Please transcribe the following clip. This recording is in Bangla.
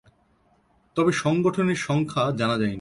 তবে সংগঠনের সংখ্যা জানা যায়নি।